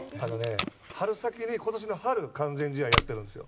今年の春、完全試合やってるんですよ。